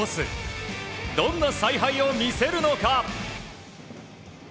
どんな采配を見せるのか？